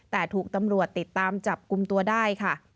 แต่ถูกตำรวจติดตามจับกลุ่มตัวได้ค่ะ